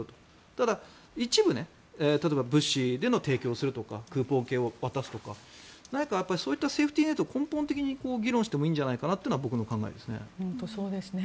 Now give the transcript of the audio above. ただ、一部例えば物資で提供するとかクーポン券を渡すとか何かそういったセーフティーネットを根本的に議論してもいいんじゃないかなというのが僕の考えですね。